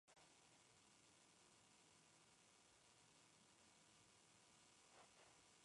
El tronco es medianamente largo, aplanado y muy profundo.